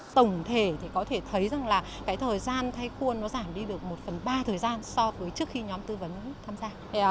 tổng thể thì có thể thấy rằng là cái thời gian thay khuôn nó giảm đi được một phần ba thời gian so với trước khi nhóm tư vấn tham gia